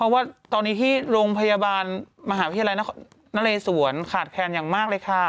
ว่าตอนนี้ที่โรงพยาบาลมหาวิทยาลัยนเรศวรขาดแคลนอย่างมากเลยค่ะ